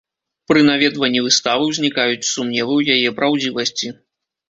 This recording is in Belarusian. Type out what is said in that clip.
Пры наведванні выставы ўзнікаюць сумневы ў яе праўдзівасці.